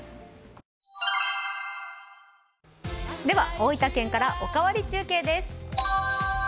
大分県から「おかわり中継」です。